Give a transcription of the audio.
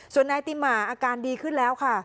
ส่วนนายติหมาอาการดีขึ้นแล้วค่ะ